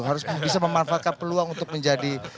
harus bisa memanfaatkan peluang untuk menjadi